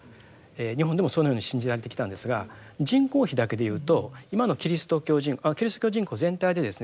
日本でもそのように信じられてきたんですが人口比だけでいうと今のキリスト教人口全体でですね